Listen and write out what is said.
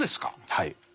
はい。